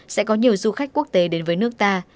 sẽ có nhiều du khách quốc tế đến với nước ta